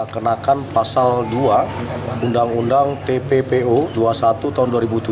kenakan pasal dua undang undang tppo dua puluh satu tahun dua ribu tujuh